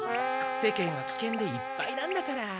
世間はきけんでいっぱいなんだから。